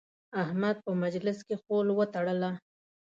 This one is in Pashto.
احمد په مجلس کې خول وتړله.